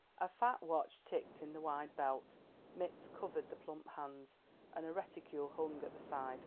A fat watch ticked in the wide belt, mitts covered the plump hands, and a reticule hung at the side.